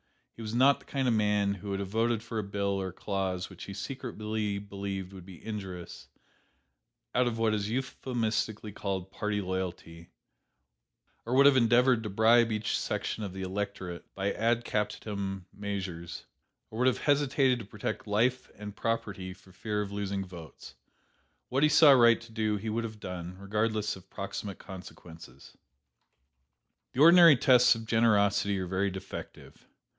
He was not the kind of man who would have voted for a bill or a clause which he secretly believed would be injurious, out of what is euphemistically called 'party loyalty,' or would have endeavored to bribe each section of the electorate by 'ad captandum' measures, or would have hesitated to protect life and property for fear of losing votes. What he saw right to do he would have done, regardless of proximate consequences. "The ordinary tests of generosity are very defective.